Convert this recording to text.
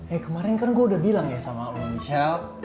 eh kemarin kan gue udah bilang ya sama lo michelle